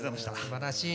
すばらしい。